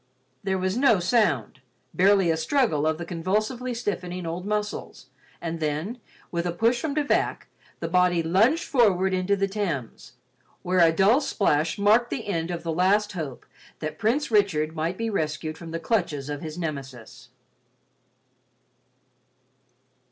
There was no sound, barely a struggle of the convulsively stiffening old muscles, and then, with a push from De Vac, the body lunged forward into the Thames, where a dull splash marked the end of the last hope that Prince Richard might be rescued from the clutches of his Nemesis.